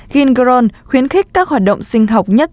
gingron khuyến khích các hoạt động sinh học nhất